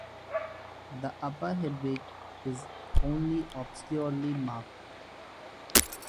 The upper hindwing is only obscurely marked.